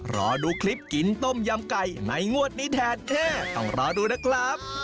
รอดูคลิปกินต้มยำไก่ในงวดนี้แทนแค่ต้องรอดูนะครับ